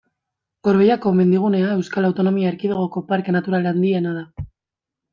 Gorbeiako mendigunea Euskal Autonomia Erkidegoko parke natural handiena da.